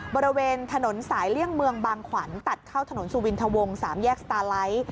บริเวณถนนสายเลี่ยงเมืองบางขวัญตัดเข้าถนนสุวินทวง๓แยกสตาไลท์